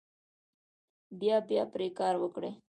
بیا بیا پرې کار وکړئ.